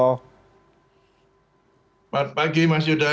selamat pagi mas yuda